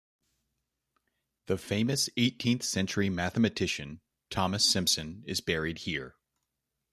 The famous eighteenth-century mathematician Thomas Simpson is buried here.